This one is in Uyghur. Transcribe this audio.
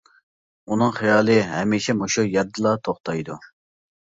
ئۇنىڭ خىيالى ھەمىشە مۇشۇ يەردىلا توختايدۇ.